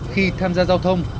khi tham gia giao thông